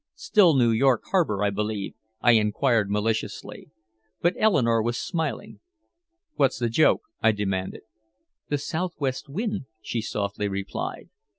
"Still New York harbor, I believe?" I inquired maliciously. But Eleanore was smiling. "What's the joke?" I demanded. "The southwest wind," she softly replied.